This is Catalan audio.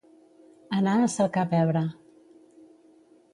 Anar a cercar pebre.